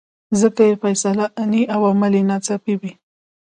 ځکه یې فیصله آني او عمل یې ناڅاپي وي.